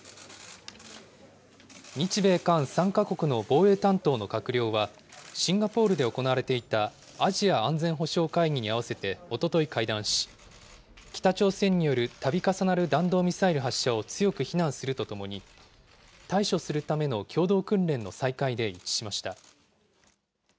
日米韓３か国の防衛担当の閣僚は、シンガポールで行われていたアジア安全保障会議に合わせておととい会談し、北朝鮮によるたび重なる弾道ミサイル発射を強く非難するとともに、対処するための共同訓練の再開で一致しました。